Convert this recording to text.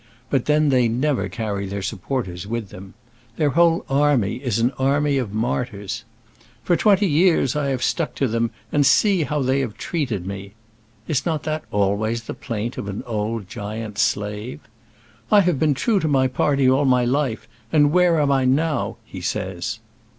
But then they never carry their supporters with them. Their whole army is an army of martyrs. "For twenty years I have stuck to them, and see how they have treated me!" Is not that always the plaint of an old giant slave? "I have been true to my party all my life, and where am I now?" he says.